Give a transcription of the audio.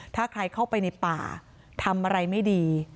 ถ้าใครเข้าไปในป่าทำอะไรไม่ดี